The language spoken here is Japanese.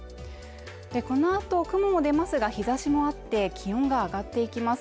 この後、雲も出ますが日差しもあって気温が上がっていきます